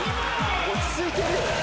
落ち着いてるよね。